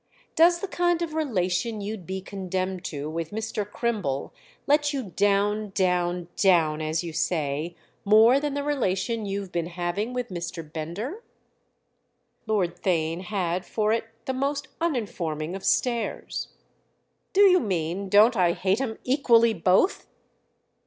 "Does the kind of relation you'd be condemned to with Mr. Crimble let you down, down, down, as you say, more than the relation you've been having with Mr. Bender?" Lord Theign had for it the most uninforming of stares. "Do you mean don't I hate 'em equally both?"